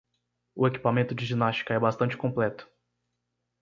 O equipamento de ginástica é bastante completo.